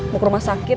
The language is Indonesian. mau ke rumah sakit